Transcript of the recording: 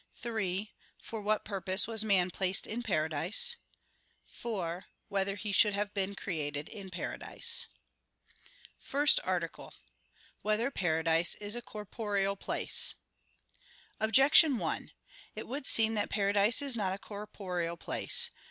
(3) For what purpose was man placed in paradise? (4) Whether he should have been created in paradise? _______________________ FIRST ARTICLE [I, Q. 102, Art. 1] Whether Paradise Is a Corporeal Place? Objection 1: It would seem that paradise is not a corporeal place.